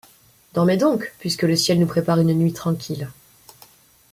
Dormez donc, puisque le ciel nous prépare une nuit tranquille.